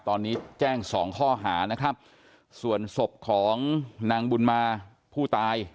ตอนนี้แจ้งสองข้อหานะครับส่วนศพของนางบุญมาผู้ตาย